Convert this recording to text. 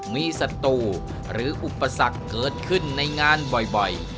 มีศัตรูหรืออุปสรรคเกิดขึ้นในงานบ่อย